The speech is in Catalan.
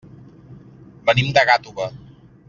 Venim de Gàtova.